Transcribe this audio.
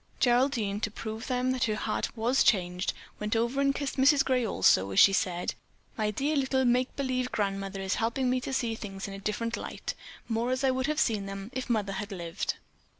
Geraldine, to prove to them that her heart was changed, went over and kissed Mrs. Gray also as she said: "My dear little Make believe Grandmother is helping me to see things in a different light, more as I would have seen them if Mother had lived."